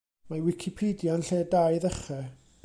Mae Wicpedia yn lle da i ddechrau.